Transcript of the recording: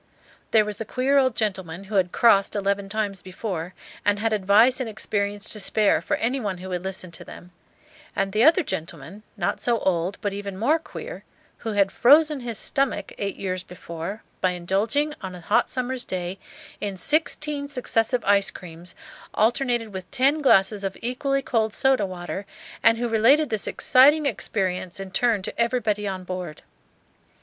There was the queer old gentleman who had "crossed" eleven times before, and had advice and experience to spare for any one who would listen to them; and the other gentleman, not so old but even more queer, who had "frozen his stomach," eight years before, by indulging, on a hot summer's day, in sixteen successive ice creams, alternated with ten glasses of equally cold soda water, and who related this exciting experience in turn to everybody on board.